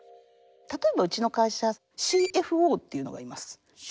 例えばうちの会社ＣＦＯっていうのがいます。